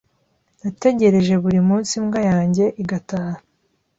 Nategereje buri munsi imbwa yanjye igataha.